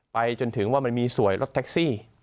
จนถึงว่ามันมีสวยรถแท็กซี่